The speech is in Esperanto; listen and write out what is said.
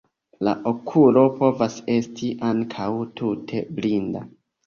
La okulo povas esti ankaŭ tute blinda.